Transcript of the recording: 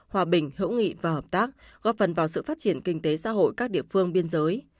hòa bình hữu nghị và hợp tác góp phần vào sự phát triển kinh tế xã hội các địa phương biên giới